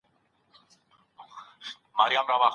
ولي د اسبابو اثبات خلګ په سختي کي اچوي؟